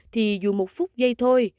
thì dù một phút giây thôi